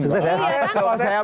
suksesnya kita enggak debat ya